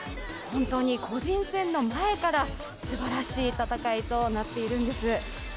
本当に個人戦の前からすばらしい戦いとなっているんです。